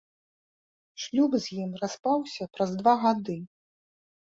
Шлюб з ім распаўся праз два гады.